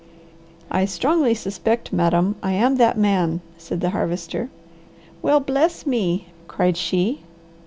"I strongly suspect madam, I am that man," said the Harvester. "Well bless me!" cried she.